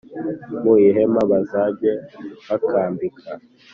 Mu ihema bazajye bakambika